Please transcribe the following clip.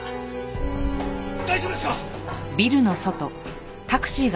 大丈夫ですか！？